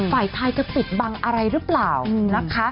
ฝ่ายไทยจะปิดบังอะไรหรือเปล่านะคะ